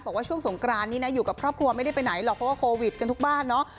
บอกว่าช่วงสงกรานนี้นะอยู่กับครอบครัวไม่ได้ไปไหนหรอกเพราะว่าโควิดกันทุกบ้านเนาะ